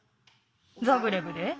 ザグレブで？